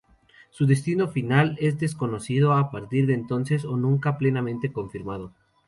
Su destino final es desconocido a partir de entonces o nunca plenamente confirmado.